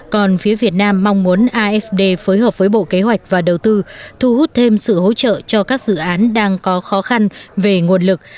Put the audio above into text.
còn phía việt nam mong muốn afd phối hợp với bộ kế hoạch và đầu tư thu hút thêm sự hỗ trợ cho các dự án đang có khó khăn về nguồn lực